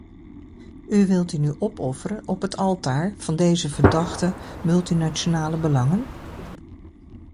U wilt die nu opofferen op het altaar van deze verdachte, multinationale belangen?